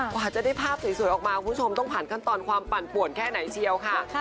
กว่าจะได้ภาพสวยออกมาคุณผู้ชมต้องผ่านขั้นตอนความปั่นป่วนแค่ไหนเชียวค่ะ